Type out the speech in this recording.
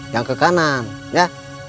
jangan ke kanan ya